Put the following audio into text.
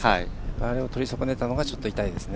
あれをとり損ねたのがちょっと痛いですね。